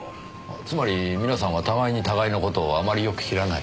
つまり皆さんは互いに互いの事をあまりよく知らない。